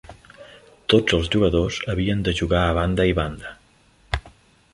Tots els jugadors havien de jugar a banda i banda.